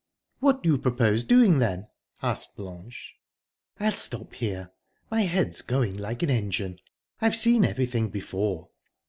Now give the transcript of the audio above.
"What do you propose doing, then?" asked Blanche. "I'll stop here; my head's going like an engine. I've seen everything before."